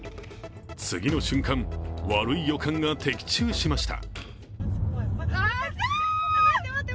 次の瞬間悪い予感が的中しました。